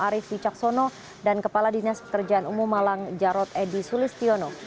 arief wicaksono dan kepala dinas pekerjaan umum malang jarod edi sulistiono